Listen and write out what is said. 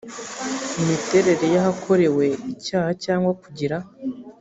imiterere y ahakorewe icyaha cyangwa kugira